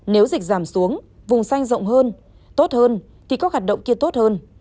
nếu dịch giảm xuống vùng xanh rộng hơn tốt hơn thì các hoạt động kia tốt hơn